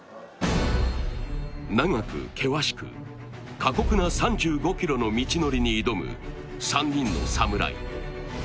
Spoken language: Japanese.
長く険しく、過酷な３５ｋｍの道のりに挑む、３人の侍。